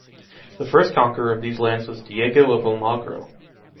The first conqueror of these lands was Diego of Almagro.